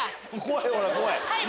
怖い！